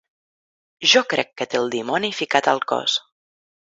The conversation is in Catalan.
Jo crec que té el dimoni ficat al cos.